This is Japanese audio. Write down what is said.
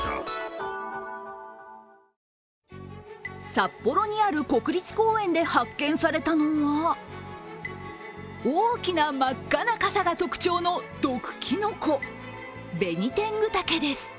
札幌にある国立公園で発見されたのは大きな真っ赤な傘が特徴の毒きのこ、ベニテングダケです。